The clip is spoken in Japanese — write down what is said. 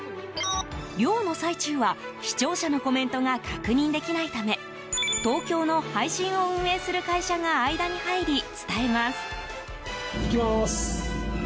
漁の最中は、視聴者のコメントが確認できないため東京の配信を運営する会社が間に入り、伝えます。